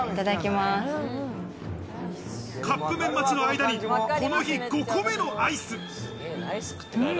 カップ麺待ちの間にこの日、５個目のアイス。